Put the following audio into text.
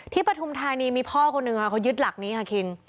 ปฐุมธานีมีพ่อคนหนึ่งค่ะเขายึดหลักนี้ค่ะคิง